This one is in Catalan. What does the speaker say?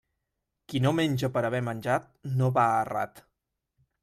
Qui no menja per haver menjat no va errat.